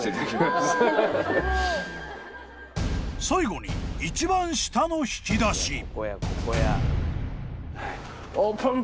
［最後に一番下の引き出し］